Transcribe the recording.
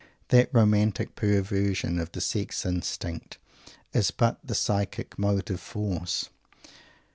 That romantic perversion of the sex instinct is but the psychic motive force.